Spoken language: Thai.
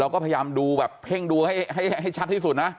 พยายามดูแบบเพ่งดูให้ชัดที่สุดนะ